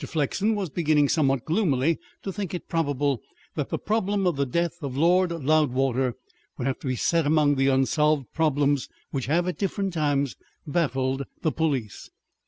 Flexen was beginning, somewhat gloomily, to think it probable that the problem of the death of Lord Loudwater would have to be set among the unsolved problems which have at different times baffled the police.